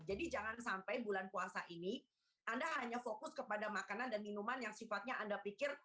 jadi jangan sampai bulan puasa ini anda hanya fokus kepada makanan dan minuman yang sifatnya anda pikir